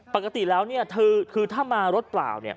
ปรากฏิแล้วคือถ้ามารถเปล่า